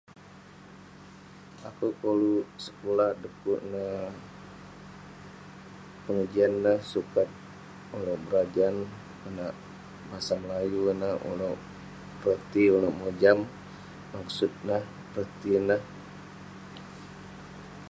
Akouk koluk sekulah dekuk neh pengejian neh sukat berajan konak bahasa Melayu ineh manouk peroti manouk mojam, maksud neh, roti neh.